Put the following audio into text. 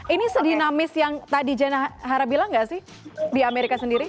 ini sedinamis yang tadi jana hara bilang nggak sih di amerika sendiri